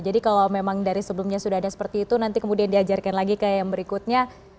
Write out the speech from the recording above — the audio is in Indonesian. jadi kalau memang dari sebelumnya sudah ada seperti itu nanti kemudian diajarkan lagi ke yang berikutnya